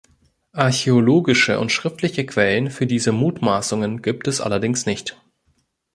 Archäologische und schriftliche Quellen für diese Mutmaßungen gibt es allerdings nicht.